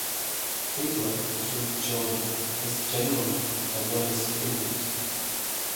April through June is generally the wettest period.